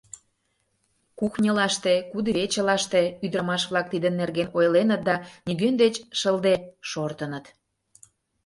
Кухньылаште кудывечылаште ӱдырамаш-влак тидын нерген ойленыт да нигӧн деч шылде шортыныт.